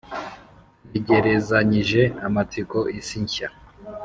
Ntegerezanyije amatsiko isi nshya